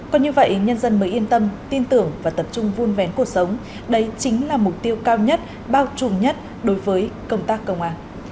còn như vậy nhân dân mới yên tâm tin tưởng và tập trung vun vén cuộc sống đấy chính là mục tiêu cao nhất bao trùm nhất đối với công tác công an